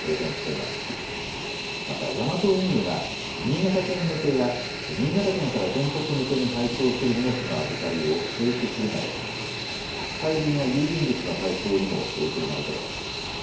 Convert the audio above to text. またヤマト運輸が新潟県向けや新潟県から全国向けに配送する荷物の預かりを停止するなど宅配便や郵便物の配送にも影響が出ています。